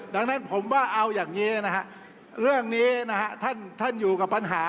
ดังนั้นผมว่าเอาอย่างนี้นะฮะเรื่องนี้นะฮะท่านอยู่กับปัญหา